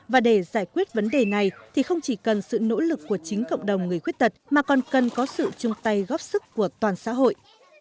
và để giải quyết vấn đề này thì không chỉ cần sự nỗ lực của chính cộng đồng người khuyết tật mà còn cần có sự chung tay góp sức của toàn xã hội